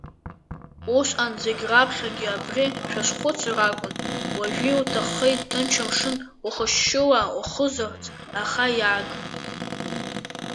Усҟан зегь раԥхьагьы абри шәазхәыцыр акәын, уажәы иуҭаххеит ҭынч амшын ухышьшьыла ухызарц, аха иааг…